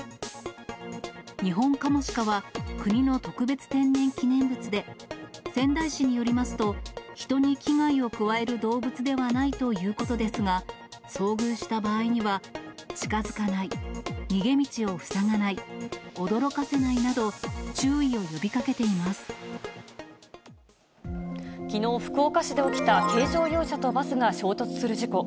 ニホンカモシカは国の特別天然記念物で、仙台市によりますと、人に危害を加える動物ではないということですが、遭遇した場合には、近づかない、逃げ道を塞がない、驚かせないなきのう、福岡市で起きた軽乗用車とバスが衝突する事故。